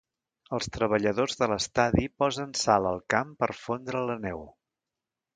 Els treballadors de l'estadi posen sal al camp per fondre la neu.